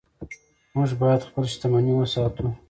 موږ باید خپله شتمني وساتو.